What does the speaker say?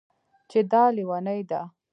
چې دا لېونۍ ده